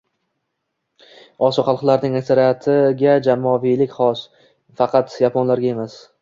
«Osiyo xalqlarining aksariga jamoaviylik xos, faqat yaponlarga emas